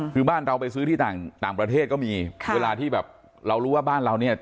คือบ้านเราไปซื้อที่ต่างประเทศก็มีเวลาที่แบบเรารู้ว่าบ้านเราเนี่ย